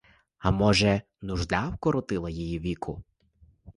А може, нужда вкоротила її віку.